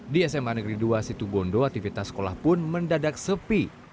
di sma negeri dua situbondo aktivitas sekolah pun mendadak sepi